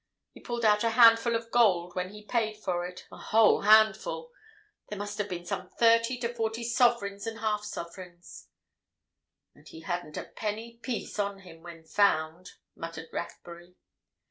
He pulled out a handful of gold when he paid for it—a whole handful. There must have been some thirty to forty sovereigns and half sovereigns." "And he hadn't a penny piece on him—when found," muttered Rathbury.